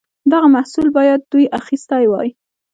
دغه محصول باید دوی اخیستی وای.